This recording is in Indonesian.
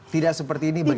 tidak seperti ini bagaimana